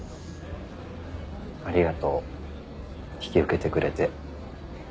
ありがとう引き受けてくれて。